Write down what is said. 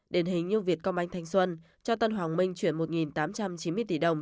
đền hình như việt công anh thanh xuân cho tân hoàng minh chuyển một tám trăm chín mươi tỷ đồng